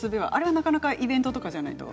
なかなかイベントとかじゃないと。